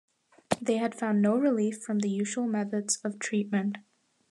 They had found no relief from the usual methods of treatment.